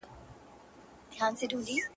پاگل دي د غم سونډې پر سکروټو ايښي_